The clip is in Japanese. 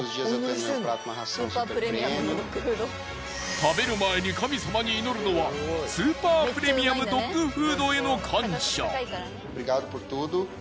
食べる前に神様に祈るのはスーパープレミアムドッグフードへの感謝。